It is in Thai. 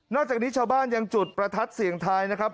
จากนี้ชาวบ้านยังจุดประทัดเสี่ยงทายนะครับ